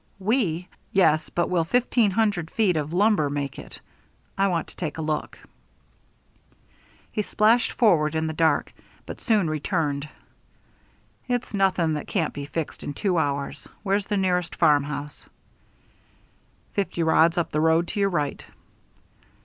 "We! Yes, but will fifteen hundred feet of lumber make it? I want to take a look." He splashed forward in the dark, but soon returned. "It's nothing that can't be fixed in two hours. Where's the nearest farmhouse?" "Fifty rods up the road to your right."